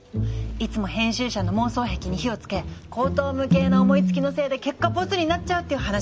いつも編集者の妄想癖に火をつけ荒唐無稽な思いつきのせいで結果ボツになっちゃうっていう話。